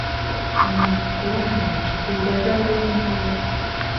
— Ана, күрәһеңме, гөлдәр ҙә орлоғон ҡоя.